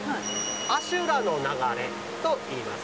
阿修羅の流れといいます。